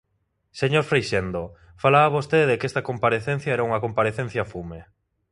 Señor Freixendo, falaba vostede de que esta comparecencia era unha comparecencia fume.